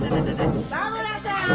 ・佐村さん。